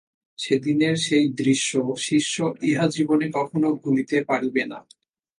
সেদিনের সেই দৃশ্য শিষ্য ইহজীবনে কখনও ভুলিতে পারিবে না।